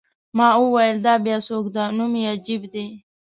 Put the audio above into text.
ما وویل: دا بیا څوک دی؟ نوم یې عجیب دی.